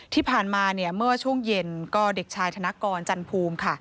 ที่ผ่านมาเนี่ยเมื่อช่วงเย็นก็เด็กชายธนกรจันภูมิค่ะ